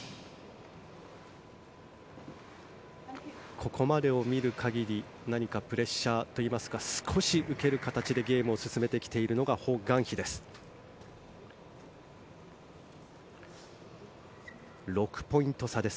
ここまでを見る限り何かプレッシャーといいますか少し受ける形でゲームを進めてきているのがホ・グァンヒです。